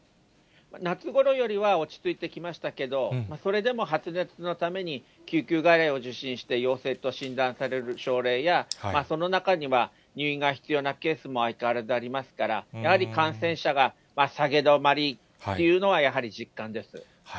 夏ごろよりは落ち着いてきましたけど、それでも発熱のために救急外来を受診して、陽性と診断される症例や、その中には、入院が必要なケースも相変わらずありますから、やはり感染者が下げ止まりっていうのは、やはり実感です。